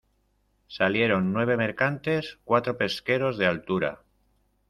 salieron nueve mercantes, cuatro pesqueros de altura